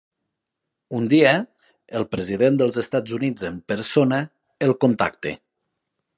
Un dia, el president dels Estats Units en persona el contacta.